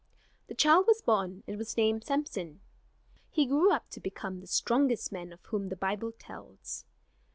The child was born and was named Samson. He grew up to become the strongest man of whom the Bible tells.